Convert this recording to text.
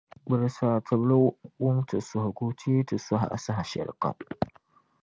gbilisi a tibili wum ti suhigu ti yi ti suhi a saha shɛlikam.